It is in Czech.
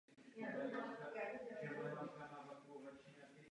Pocházel z rodiny poštovního úředníka.